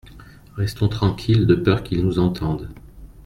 Restons tranquille de peur qu’il nous entende.